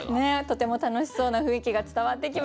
とても楽しそうな雰囲気が伝わってきます。